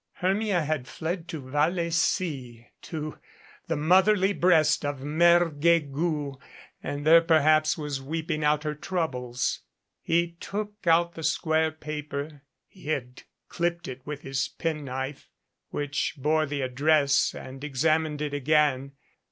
Hermia had fled to Vallecy to the motherly breast of Mere Guegou, and there perhaps was weeping out her troubles. He took out the square of paper (he had clipped it with his penknife) which bore the address and examined it again.